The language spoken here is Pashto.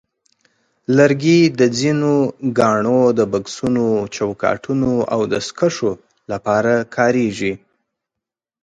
لرګي د ځینو ګاڼو د بکسونو، چوکاټونو، او دستکشیو لپاره کارېږي.